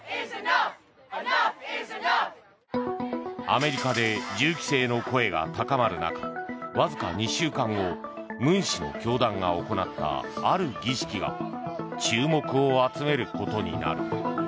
アメリカで銃規制の声が高まる中わずか２週間後文氏の教団が行ったある儀式が注目を集めることになる。